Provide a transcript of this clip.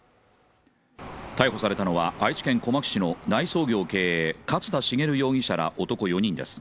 逮捕されたのは愛知県小牧市の内装業経営勝田茂容疑者ら男４人です